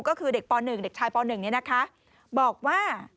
ก็คือเด็กชายป๑บอกว่า